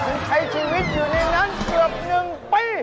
ถึงให้ชีวิตอยู่ในนั้นเกือบหนึ่งปี